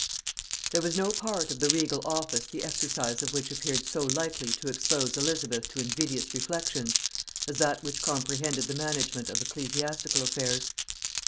There was no part of the regal office the exercise of which appeared so likely to expose Elizabeth to invidious reflections, as that which comprehended the management of ecclesiastical affairs.